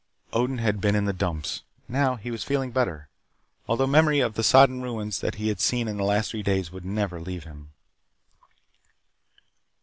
Odin had been in the dumps. Now he was feeling better, although memory of the sodden ruins that he had seen in the last three days would never leave him.